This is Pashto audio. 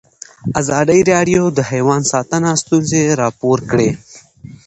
ازادي راډیو د حیوان ساتنه ستونزې راپور کړي.